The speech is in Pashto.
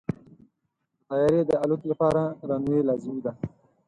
د طیارې د الوت لپاره رنوی لازمي دی.